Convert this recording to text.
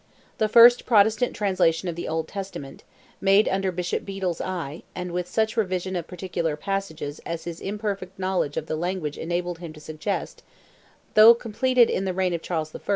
The first Protestant translation of the Old Testament, made under Bishop Bedel's eye, and with such revision of particular passages as his imperfect knowledge of the language enabled him to suggest, though completed in the reign of Charles I.